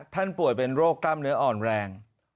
ป่วยเป็นโรคกล้ามเนื้ออ่อนแรง